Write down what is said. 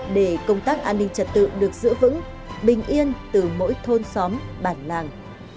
để công tác an ninh trật tự được giữ vững bình yên từ mỗi thôn xóm bản làng